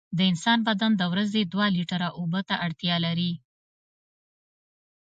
د انسان بدن د ورځې دوه لېټره اوبو ته اړتیا لري.